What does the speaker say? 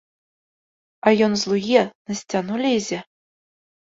А ён злуе, на сцяну лезе.